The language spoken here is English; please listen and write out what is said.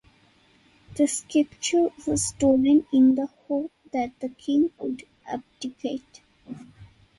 The sceptre was stolen, in the hope that the king would abdicate.